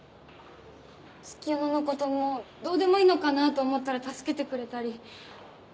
月夜野のこともうどうでもいいのかなと思ったら助けてくれたり。